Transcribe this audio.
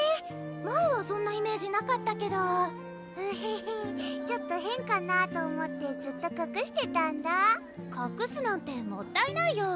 前はそんなイメージなかったけどフヘヘちょっと変かなぁと思ってずっとかくしてたんだかくすなんてもったいないよ